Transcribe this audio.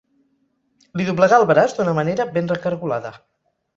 Li doblegà el braç d'una manera ben recargolada.